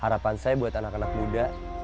harapan saya buat anak anak muda